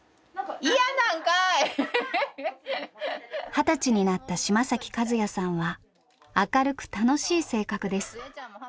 二十歳になった島崎和也さんは明るく楽しい性格です。